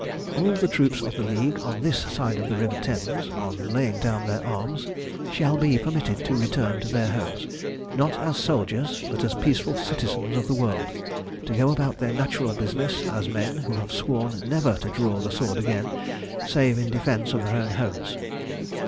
All the troops of the League on this side of the river Thames, on laying down their arms, shall be permitted to return to their homes, not as soldiers, but as peaceful citizens of the world, to go about their natural business as men who have sworn never to draw the sword again save in defence of their own homes."